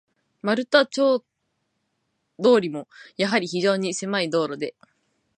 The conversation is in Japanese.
丸太町通も、やはり非常にせまい道路で、